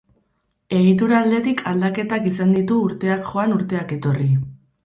Egitura aldetik aldaketak izan ditu urteak joan urteak etorri.